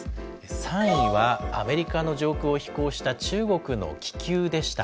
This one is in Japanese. ３位はアメリカの上空を飛行した中国の気球でした。